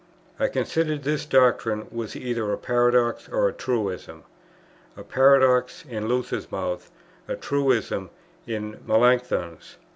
I considered that this doctrine was either a paradox or a truism, a paradox in Luther's mouth, a truism in Melanchthon's.